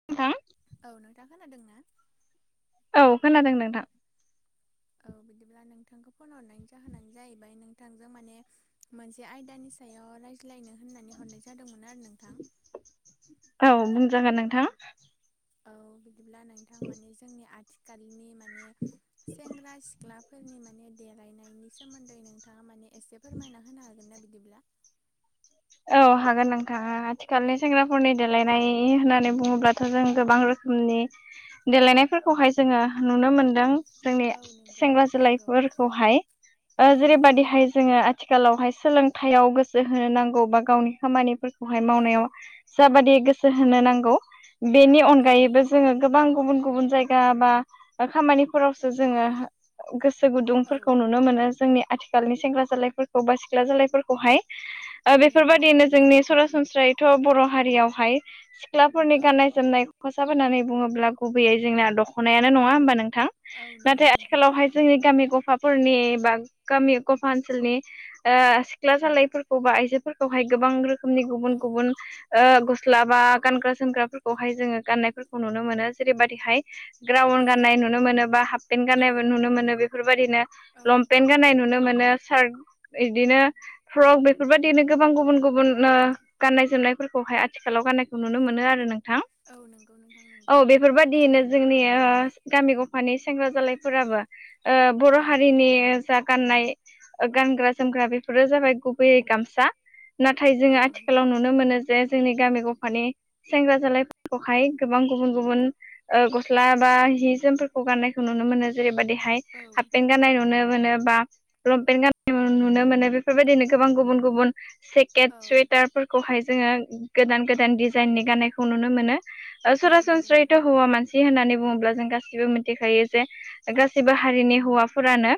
[unintelligible] औ नोंथां खोनादों ना? औ खोनादों नोंथां। औ बिदिब्ला नोंथांखौ फन हरनायनि जाहोनानो जाहैबाय नोंथांजों माने मोनसे आयदानि सायाव रायज्लायनो होननानै हरनाय जादोंमोन आरो नोंथां। औ बुंजागोन नोंथां। औ बिदिब्ला नोंथां माने जोंनि आथिखालनि मान ने सेंग्रा सिख्लाफोरनि माने देलायनायनि सोमोन्दै नों थांङा माने एसे फोरमायना होनो हागोन ना बिदिब्ला? औ हागोन नोंथां हो हाथिखालनि सेंग्राफोरनि औ देलायनाय होननानै बुङोब्ला थ' जों गोबां रोखोमनि देलायनायफोरखौहाय जोङो नुनो मोनदों। जोंनि औ नंगौ सेंग्रा नंगौ जोलायफोरखौहाय ओ औ नंगौ नोंथां जेरैबायदिहाय जोङो आ थिखालावहाय सोलोंथाइआव गोसो होनो नांगौ बा गावनि खामानिफोरखौहाय औ मावनायाव जाबादि गोसो होनो नांगौ बेनि औ अनगायैबो नंगौ जोङो गोबां गुबुन गुबुन जायगा बा ओ खामानिफोरावसो जोङो गोसो औ गुदुंफोरखौ नुनो मोनो जोंनि आथिख खालनि सेंग्रा जालायफोरखौ बा सिख्ला जालायफोरखौहाय औ ओ नंगौ बेफोरबादियैनो नोंथां जोंनि सरासनस्रायै थ' बर' हारियावहाय सिख्लाफोरनि औ गाननाय जोमनाय खसाब होननानै बुङोब्ला गुबैयै जोंना दख'नायानो नङा होमबा नोंथां औ नंगौ नाथाय नोंथां आथिखालावहाय जोंनि गामि गफाफोरनि बा गामि गफा ओनसोलनि ओ सिख्ला जालायफोरखौ बा आइजोफोरखौहाय गोबां रोखोमनि गुबुन औ गुबुन ओ गस्ला बा गानग्रा जोमग्राफोरखौहाय जोङो गाननायफोरखौ नुनो मोनो जेरैबादिहाय ग्राउन औ गाननाय नुनो मोनोबा हाप पेन्ट औ गाननायबो नुनो मोनो बेफोरबायदिनो औ लंपेन्ट गाननाय नुनो मोनो सार्ट इदिनो फ्रक बेफोरबाद दिनो गोबां गुबुन गुबुन ओ गाननाय जोमनायफोरखौहाय आथिखालाव गाननायखौ नुनो मोनो आरो नोंथां। औ नोंगौ नोंथां नोंगौ। फोरबादियैनो जोंनि ओ गामि गफानि सेंग्रा जालायफोराबो ओ बर' औ हारिनि जा गाननाय ओ गानग्रा जोमग्रा बेफोरो जाबाय गुबैयै गामस सा नाथाय औ जोङो नंगौ आथिखालाव नुनो मोनो जे जोंनि गामि गफानि सेंग्रा जालायफोरखौहाय गोबां गुबुन गुबुन ओ गस्ला बा जि जोमफोरखौ गाननाय नुनो मोनो जेरैबादिहाय औ हापपेन्ट गाननाय नुनो मोनो बा लंपेन्ट गाननाय नुनो मोनो। बेफोरबायदिनो गोबां गुबुन गुबुन सेकेट, औ सुटारफोर खौहाय जोङो गोदान गोदान डिजाइननि गाननायखौ नुनो मोनो। ओ औ नंगौ सरासनस्रायैथ' नोंथां हौवा मानसि सि होननानै बुङोब्ला जों गासिबो मिथिखायो जे गासिबो हारिनि हौवा फोरानो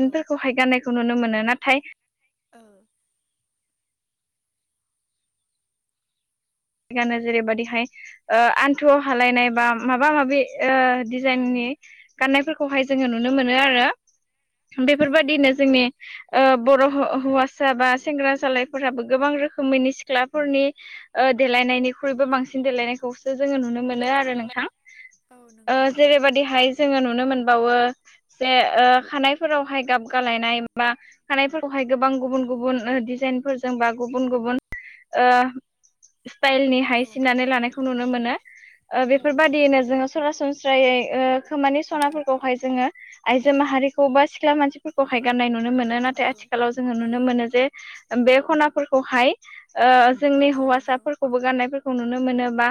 औ गाननायखौ नुनो मोनो। नाथाय ओ। गानो जेरैबायदिहाय ओ आन्थुआव हालायनाय बा औ मा माबा माबि ओ डिजाइननि गाननायफोरखौहाय जोङो नुनो मोनो आरो। औ बेफोरबायदिनो नंगौ जोंनि ओ बर' हौ-हौवासा बा सेंग्रा जालायफोराबो गोबां रोखोमैनो सिख्लाफोरनि ओ देलायनायनिख्रुइबो बांसिन देलायनायखौ खौ जोङो नुनो मोनो आरो नोंथां। औ ओ नंगौ नोंथां जेरैबायदिहाय जोङो नुनो मोनबावो जे ओ खानायफोरावहाय गाब गालायनाय बा खानायफोरखौहाय गोबां गुबुन गुबुन ओ डिजाइनफोरजों बा गुबुन गुबुन ओ औ स्टाइलनिहाय सिननानै लानायखौ नुनो मोनो ओ औ नंगौ बेफोरबायदियैनो जोङो सरासनस्रायै ओ खोमानि सनाफोरखौहाय जोङो आइजो माहारिखौ बा सिख्ला मानसिफोरखौहाय गाननाय नुनो मोनो। मोनो औ नाथाय आथिखालाव जोङो औ नुनो मोनो जे बे खनाफोरखौहाय ओ जोंनि औ नंगौ हौवासा बो गाननायफोरखौ नुनो मोनो बा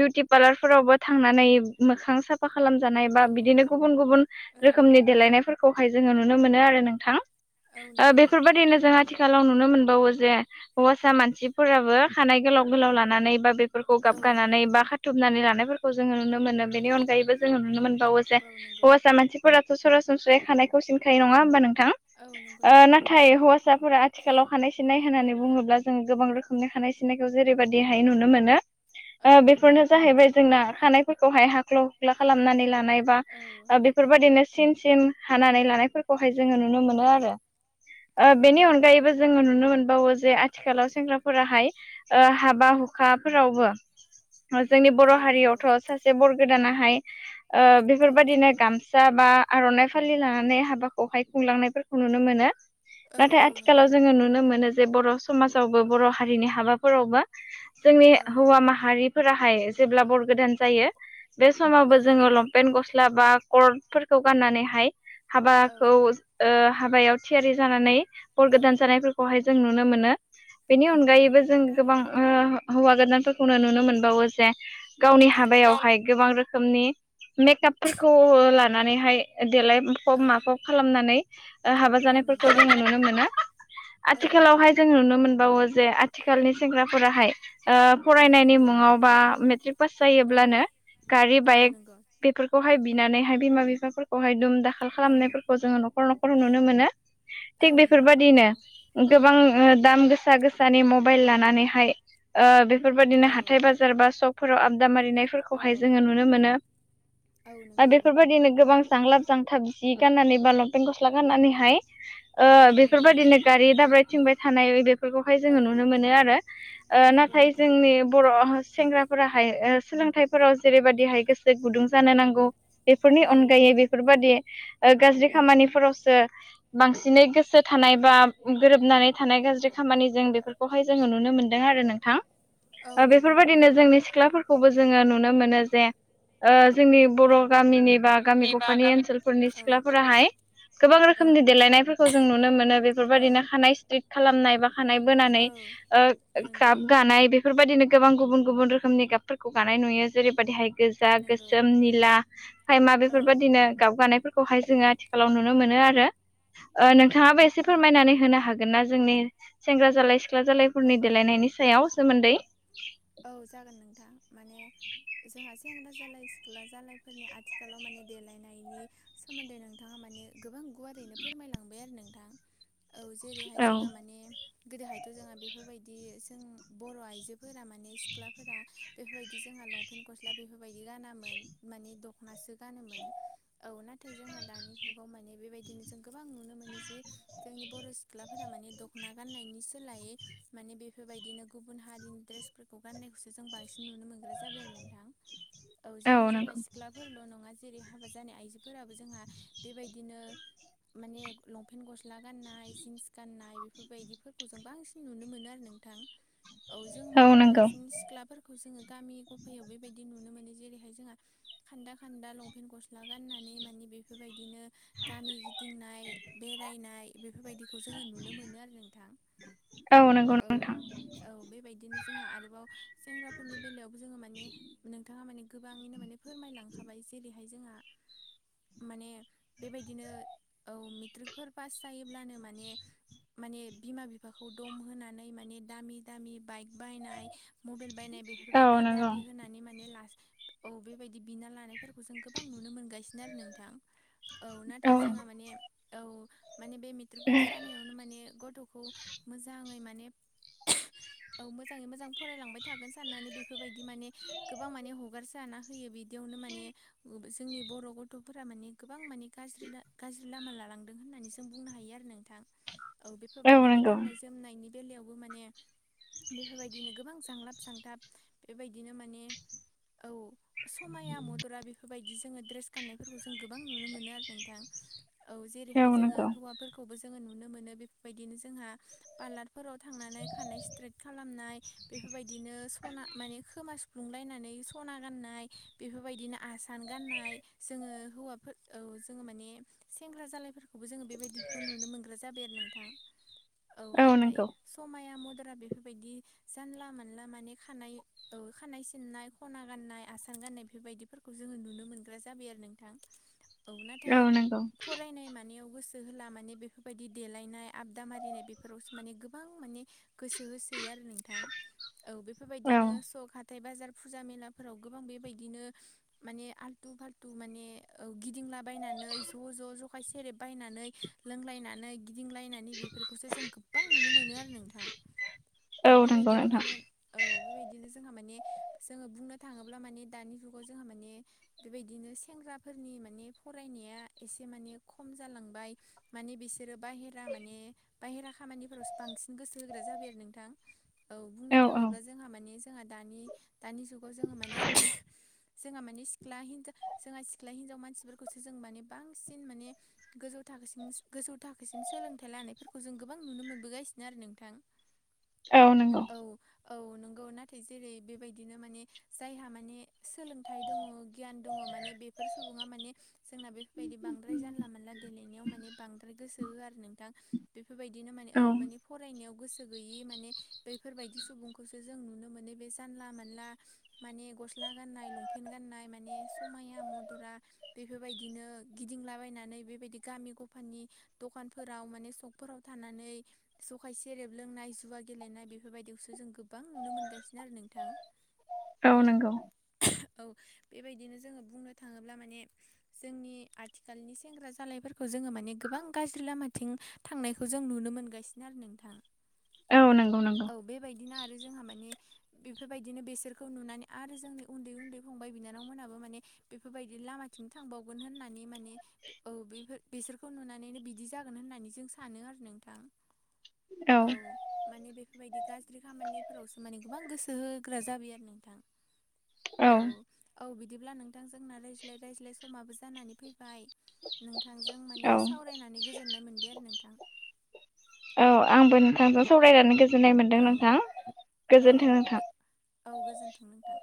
बिउटि फार्लारफोरावबो थांनानै मोखां सा साफा खालामजानाय बा औ बिदिनो गुबुन गुबुन औ रोखोमनि देलायनायफोरखौहाय जोङो नुनो मोनो आरो नोंथां। औ ओ नंगौ बेफोरबायदिनो जों आथिखालाव नुनो मोनबावो जे हौवासा मानसिफोराबो खानाय गोलाव गोलाव लानानै बा बेफोरखौ औ गाबगानानै बा खा खाथुमनानै लानायफोरखौ जोङो नुनो मोनो। बेनि अनगायैबो जोङो नुनो मोनबावो जे औ नंगौ हौवासा मानसि फोराथ' सरासनस्रायै खानायखौ सिनखायो नङा होमबा नोंथां? औ नंगौ ओ नोंथां नंगौ नाथाय हौवा साफोरा आथिखालाव खानाय सिननाय होननानै बुङोब्ला जों गोबां रोखोमनि खानाय सिन सिननायखौ जेरैबायदिहाय नुनो मोनो, औ बेफोरनो जाहैबाय जोंना खानायफोरखौहाय हाख्ल' हुख्ला खालामनानै लानाय बा औ ओ बे बेफोरबायदिनो सिन सिन हानानै लानायफोर खौहाय जोङो नुनो मोनो औ आरो ‌ ओ औ बेनि नंगौ अनगायैबो जोङो नुनो मोनबावो जे आथिखालाव सेंग्राफोराहाय ओ हाबा हुखाफोरावबो जोंनि औ बर' नंगौ हारियावथ' सा से बर गोदानाहाय ओ औ बेफोरबायदिनो गामस सा बा आर'नाइ फालि लानानै हाबाखौहाय खुंलांनायफोरखौ नुनो मोनो। औ नाथाय औ नंगौ आथिखालाव जोङो नुनो मोनो जे बर' समाजावबो बर' हारिनि हाबाफोरावबो जोंनि औ हौवा माहारिफोराहाय जेब्ला बर गोदान जायो बे समावबो औ जोङो नंगौ लंपेन्ट गस्ला बा कर्टफोरखौ गाननानैहाय औ हाबाखौ ओ हाबायाव थियारि जानानै बर गोदान जानायफोर खौहाय जों नुनो मोनो। बेनि औ नंगौ अनगायैबो जों नोंथां गोबां थारैनो ओ ओ हौवा गोदानफोरखौनो नुनो मोनबावो जे गावनि औ हाबायावहाय गोबां रोखोमनि मेकआपफोरखौ लानानैहाय देलाय फब औ माफब खालामनानै ओ हाबा औ जानायफोरखौ जोङो नंगौ नुनो मोनो। औ आथिखालावहाय जों नुनो मोनबावो जे आथिखालनि सेंग्राफोराहाय ओ औ फरायनायनि नंगौ मुङाव बा मेट्रिक पास औ जायोब्लानो गारि, औ बाइक नंगौ बेफोरखौहाय बिनानैहाय बिमा बिफाफोरखौहाय दुम दाख खाल औ खालामनायफोरखौ जोङो न'खर न'खर नुनो मोनो। औ थिग नंगौ नोंथां बेफोरबायदिनो नंगौ गोबां ओ दाम गोसा गोसानि मबाइल लानानैहाय ओ बेफोरबायदिनो औ हाथाय बाजार बा सकफोराव आबदा औ मारिनायफोरखौहाय जोङो नुनो मोनो। औ आरो नंगौ बेफोरबायदिनो गोबां सांलाब मोजां थाब जि गाननानै बा लंपेंन्ट गस्ला गाननानैहाय ओ औ नंगौ नोंथां बेफोरबायदिनो नंगौ गारि दाब्राय थिंबाय थानाय बेफोरखौहाय औ जोंङो मोनो आरो ओ नंगौ नाथाय नोंथां जोंनि बर' सेंग्राफोराहाय सोलोंथाइफोराव जेरैबायाददिहाय गोसो गुदुं जानो नांगौ बेफोरनि औ अनगायै बेफोरबायाददि गाज्रि औ खामानिफोराव बांसिनै गोसो थानाय बा गोरोबनानै थानाय गाज्रि खामानि जों बे फोरखौ जोंङो नुनो मोनदों आरो नोंथां औ नंगौ बेफोरबायदिनो नोंथां जोंनि सिख्लाफोरखौबो जोंङो नुनो मोनो जे ओ जोंनि बर' गामिनि बा गामि गफानि ओनसोलफोरनि औ सिख्लाफोराहाय गोबां औ रोखोमनि देलायनायफोरखौ जों नुनो मोनो औ बेफोरबायदिनो खानाय स्ट्रिट खालामनाय बा खानाय बोनाय औ ओ नंगौ गाब गानाय बे बेफोरबायदिनो गोबां गुबुन गुबुन रोखोमनि गाबफोरखौ गानाय नुयो जेरैबायदिहाय गोजा नंगौ गोसोम निला खायमा औ बेफोरबायदिनो गाबगानायफोरखौहाय जोंङो आथिखालाव नुनो मोनो आरो नंगौ नोंथांङाबो एसे फोरमायनानै होनो हागोन ना जोंनि सेंग्रा जालाय सिख्ला औ जालायफोरनि देलायनायनि सायाव सोमोन्दै औ जागोन नोंथां माने जोंहा सेंग्रा जालाय सिख्ला जालायफोरनि आथिखालाव माने देलायनायनि सोमोन्दै नोंथांङा माने गोबां गुवारैनो फोरमायलांबाय आरो नोंथां औ जेरैहाय औ जोंहा माने गोदोहायथ' जोंहा बेफोरबायदि जों बर' आइजोफोरा माने माने सिख्लाफोरा बेफोरबायदि जोंहा लंपेन गसला बेफोरबादि गानामोन माने दखनासो गानोमोन औ ना नाथाय जोंहा दानि जुगाव माने बेबायदिनो जों गोबां नुनो मोनो जि जोंनि बर' सु सिख्लाफोरा माने दख'ना गाननायनि सोलायै माने बेफोरबायदिनो गुबुन हारिनि द्रेस फोरखौ गाननायखौसो जों बांसिन नुनो मोनग्रा जाबाय आरो नोंथां औ जेरै जोंहा सिख्लाफोरल' नंङा जेरै हाबा जानाय आइजोफोराबो जोंहा बेबायदिनो माने लंपेन्ट गस्ला गाननाय जिन्स गाननाय बेफोरबायदिफोरखौ जों बांसिन नुनो मोनो आरो नोंथां औ जों माने बांसिन सिख्लाफोरखौ जोङो गामि गफायाव बेबायदि नुनो मोनो जेरैहाय जोंहा खान्दा खान्दा लंपेन्ट गस्ला गाननानै माने बेफोरबायदिनो गामि गिदिंनाय बेरायनाय बेफोरबायदिखौ जोंङो नुनो मोनो आरो नोंथां औ औ बेबायदिनो जोंहा आरोबाव सेंग्राफोरनि बेलायावबो जोंङो माने नोंथांङा माने गोबाङैनो माने फोरमायलांखाबाय जेरैहाय जोंहा माने बेबायदिनो औ मेट्रिकफोर पास जायोब्लानो माने माने बिमा बिफाखौ दम होनानै माने दामि दामि बाइक बायनाय मबाइल बायनाय औ बेफोरबायदि नंगौ दाबि होनानै माने माने ला औ बेबायदि बिना लानायफोरखौ जों गोबां नुनो मोनगासिनो आरो नोंथां औ नाथाय जोंहा माने औ माने बे मेट्रिक पास जानायावनो माने गथ'खौ मोजांङै माने औ मोजाङै मोजां फरायलांबाय थागोन साननानै बेफोरबायदि माने गोबां माने हगारसाना होयो बि बिदियावनो माने जोंनि बर' गथ'फोरा माने गोबां माने गाज्रि गाज्रि लामा लालांदों होननानै जों बुंनो हायो आरो नोंथां औ बेफोरबायदिनो गाननाय जोमनायनि बेलायावबो माने बेफोरबायदिनो गोबां जांलाब जांथाब बेबायदिनो माने औ समाया मदरा बेफोरबायदि जोंङो ड्रेस गान्नायफोरखौ जों गोबां नुनो मोनो आरो नोंथां औ औ जेरैहाय जोङो नंगौ हौवाफोरखौबो जोंङो नुनो मोनो बेफोरबायदिनो जोंहा पार्लारफोराव थांनानै खानाय स्ट्रिक खालामनाय बेफोरबायदिनो सना माने खोमा सुफ्लुंलायनानै सना गाननाय बेफोरबायदिनो आसान गाननाय जोंङो हौवाफोर औ जोंङो माने सेंग्रा जालायफोरखौबो जोंङो बेबायदिखौ नुनो मोनग्रा जाबाय आरो नोंथां औ नाथाय समाया मद'रा बेफोरबायदि जानला मोनला माने खानाय औ खानाय सिननाय खना गाननाय आसान गान्नाय बेफोरबायदिफोरखौ जोङो नुनो मोनग्रा जाबाय आरो नोंथां। औ नाथाय फ फरायनाय मानायाव गोसो होला माने बेफोरबायदि देलायनाय आबदा मारिनाय बेफोरावसो माने गोबां माने गोसो होसै आरो नोंथां औ औ बेफोरबायदिनो सक हा थाय बाजार फुजा मेलाफोराव गोबां बेबायदिनो माने आल्थु फाल्थु माने औ गिदिंलाबायायनानै ज'-ज' जखाय सेरेब बायनानै लोंलायनानै गिदिंलायनानै बेफोरखौसो जों गोबां नुनो मोनो आरो नोंथां औ नंगौ बेबायदिनो नोंथां माने औ बेबायदिनो जोंहा माने जोङो बुंनो थाङोब्ला माने दानि जुगाव जोंहा माने बेबायदिनो सेंग्राफोरनि माने फरायनाया एसे माने खम जालांबाय माने बिसोरो बाहेरा माने बाहेरा खामानिफोरावसो बांसिन गोसो होग्रा जाबाय आरो नोंथां। औ बुंनो थाङोब्ला जोंहा माने जोंहा दानि - दानि जुगाव जोङो माने [unintelligible] जोंहा माने सिख्ला हिन्जा जोंहा सिख्ला हिनजाव मानसिफोरखौसो जों माने बांसिन माने गोजौ थाखोसिमस गोजौ थाखोसिम सोलोंथाइ लानायफोरखौ जों गोबां नुनो मोनबोगासिनो आरो नोंथां। औ नंगौ औ औ नंगौ नाथाय जेरै बेबायदिनो माने जायहा माने सोलोंथाइ दङ' गियान दङ' माने बेफोर सुबुङा माने जोंना बे बायदि बांद्राय जानला मानला देलायनायाव माने बांद्राय गोसो होआ आरो नोंथां बेफोरबायदिनो माने औ माने फरायनायाव गोसो गैयि मा ने बैफोरबायदि सुबुंखौसो जों नुनो मोनो बे जानला मानला माने गस्ला गाननाय लंफेन गाननाय माने समाया मद'रा बेफोरबायदिनो गिदिंलाबायनानै बेबायदि गामि गफानि दखानफोराव माने सकफोराव थानानै जौखाय सेरेब लोंनाय जुवा गेलेनाय बेफोरबायदियावसो जों गोबां नुनो मोनगासिनो आरो नोंथां औ [unintelligible] औ बेबायदिनो जोङो बुंनो थाङोब्ला माने जोंनि आथिखालनि सेंग्रा जालायफोरखौ जोङो माने गोबां गाज्रि लामाथिं थांनायखौ जों नुनो मोनगासिनो आरो नोंथां। औ नंगौ नंगौ औ बेबायदिनो आरो जोंहा माने बेफोरबायदिनो बेसोरखौ नुनानै आरो जोंनि उन्दै - उन्दै फंबाय बिनानावमोनाबो माने बेफोरबायदि लामाथिं थांबावगोन होननानै माने औ बेफोर बेसोरखौ नुनानैनो बिदि जागोन होननानै जों सानो आरो नोंथां। औ माने बेफोरबायदि गाज्रि खामानिफोरावसो माने गोबां गोसो होग्रा जाबाय आरो नोंथां। औ औ बिदिब्ला नोंथां जोंना रायज्लाय - रायज्लाय समाबो जानानै फैबाय नोंथांजों माने औ सावरायनानै गोजोननाय मोनबाय आरो नोंथां। औ आंबो नोंथांजों सावरायनानै गोजोननाय मोनदों औ नोंथां औ गोजोन्थों नोंथां। औ गोजोन्थों नोंथां।